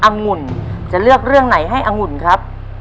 องุ่นจะเลือกเรื่องไหนให้องุ่นครับ